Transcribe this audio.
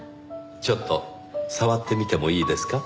ちょっと触ってみてもいいですか？